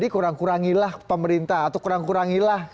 kurang kurangilah pemerintah atau kurang kurangilah